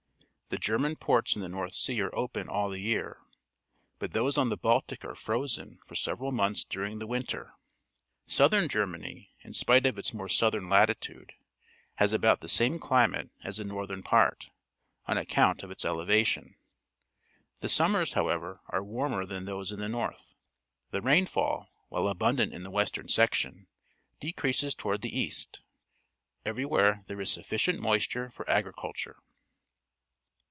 The German ports in the North Sea are open all the year, but those on the Baltic are frozen for several months during the winter. South ern Germany, in spite of its more southern latitude, has about the same climate as the northern part, on account of its elevation. The summers, however, are warmer than those in the north. The rainfall, while abundant in the western section, decrea.ses GERMANY 187 toward the east. Eve^y^vhere there is suf ficient moisture for agriculture.